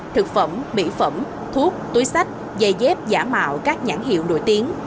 thực phẩm mỹ phẩm thuốc túi sách giày dép giả mạo các nhãn hiệu nổi tiếng